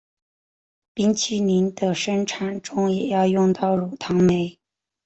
冰淇淋的生产中也要用到乳糖酶。